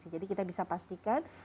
jadi kita bisa pastikan